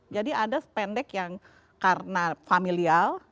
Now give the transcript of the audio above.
jadi ada pendek yang karena familial